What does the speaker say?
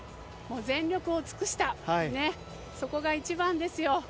全力を尽くしたそこが一番ですよ。